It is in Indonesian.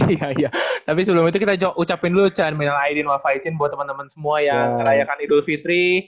iya iya tapi sebelum itu kita ucapin dulu cahaya minal a idin wa fa idzin buat temen temen semua yang kerayakan idul fitri